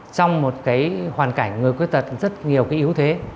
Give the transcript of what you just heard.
trong một hoàn cảnh người khuyết tật rất nhiều yếu thế